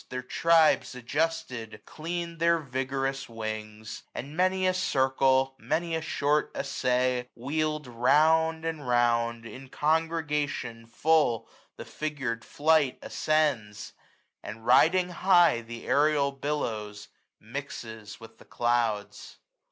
Their tribes adjusted, cleaned their vigorous wings ; 855 And many a circle, many a short essay, WheePd round and round, in congregation full The figured flight ascends; and, riding high The aerial billows, mixes with the clouds.